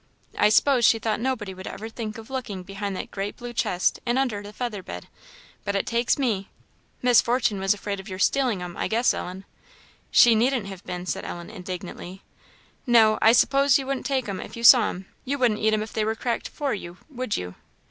I s'pose she thought nobody would ever think of looking behind that great blue chest and under the feather bed, but it takes me! Miss Fortune was afraid of your stealing 'em, I guess, Ellen?" "She needn't have been," said Ellen, indignantly. "No, I s'pose you wouldn't take 'em if you saw 'em; you wouldn't eat 'em if they were cracked for you, would you?"